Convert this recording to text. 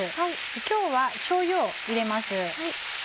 今日はしょうゆを入れます。